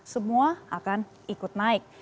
semua akan ikut naik